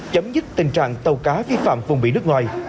chấm dứt tình trạng tàu cá vi phạm vùng biển nước ngoài